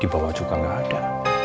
dibawah juga ga ada